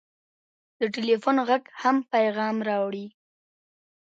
د ټېلفون غږ هم پیغام راوړي.